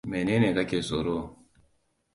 Menene kake tsoro?